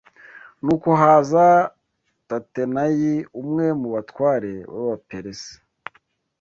Nuko haza Tatenayi umwe mu batware b’Abaperesi